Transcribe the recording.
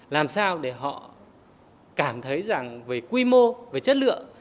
làm sao để họ cảm thấy rằng về quy mô về chất lượng